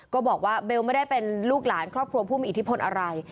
ก็บอกว่าเบลไม่ได้เป็นลูกหลานครอบครัวผู้มีอิทธิพลอะไร